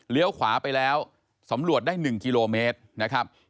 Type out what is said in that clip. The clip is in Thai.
ขวาไปแล้วสำรวจได้๑กิโลเมตรนะครับ